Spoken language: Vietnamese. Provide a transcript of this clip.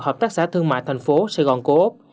hợp tác xã thương mại tp hcm